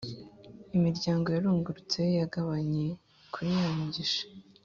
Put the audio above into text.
imiryango yarungurutseyo yagabanye kuri ya migisha